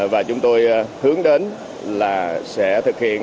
và chúng tôi hướng đến là sẽ thực hiện